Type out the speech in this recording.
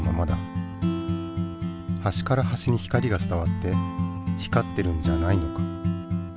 はしからはしに光が伝わって光っているんじゃないのか。